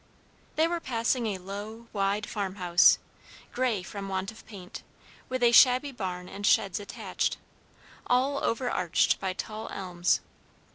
They were passing a low, wide farmhouse, gray from want of paint, with a shabby barn and sheds attached, all overarched by tall elms.